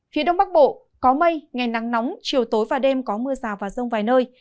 phía đông bắc bộ có mây ngày nắng nóng chiều tối và đêm có mưa rào và rông vài nơi